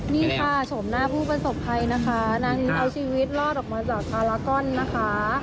นี่ค่ะโฉมหน้าผู้ประสบภัยนะคะนางเอาชีวิตรอดออกมาจากพารากอนนะคะ